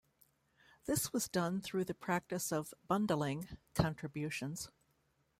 This was done through the practice of "bundling" contributions.